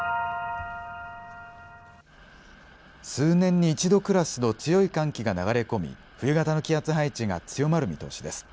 数年に一度クラスの強い寒気が流れ込み冬型の気圧配置が強まる見通しです。